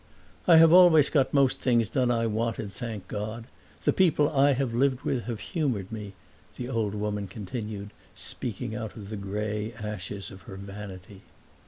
"I have always got most things done I wanted, thank God! The people I have lived with have humored me," the old woman continued, speaking out of the gray ashes of her vanity.